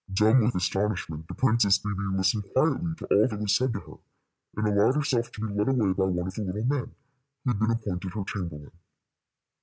Dumb with astonishment, the Princess Bébè listened quietly to all that was said to her, and allowed herself to be led away by one of the little men, who had been appointed her chamberlain.